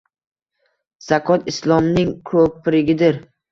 Zakot islomning ko‘prigidir